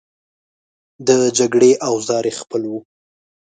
د جګړې اوزار یې خپل وو.